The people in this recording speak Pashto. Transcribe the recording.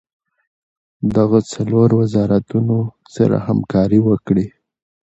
دغه څلور وزارتونه سره همکاري وکړي.